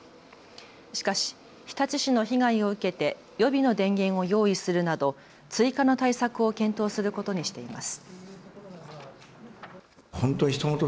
しかし日立市の被害を受けて予備の電源を用意するなど追加の対策を検討することにしています。